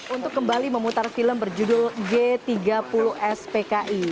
untuk kembali memutar film berjudul g tiga puluh spki